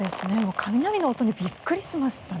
雷の音にびっくりしましたね。